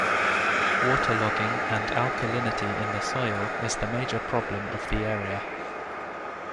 Water logging and alkalinity in the soil is the major problem of the area.